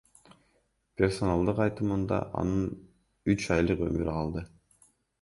Персоналдын айтымында анын үч айлык өмүрү калды.